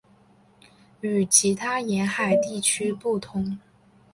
与其他沿海地区不同。